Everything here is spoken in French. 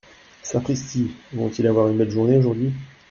Sapristi ! vont-ils avoir une belle journée aujourd’hui !